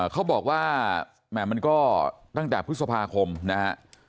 เขาบอกว่าแหม่มันก็ตั้งแต่พฤษภาคมนะฮะ